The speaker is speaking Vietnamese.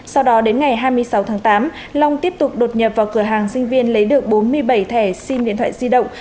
sau đó đến ngày hai mươi sáu tháng tám long tiếp tục đột nhập vào cửa hàng sinh viên lấy được bốn mươi bảy thẻ sim điện thoại di động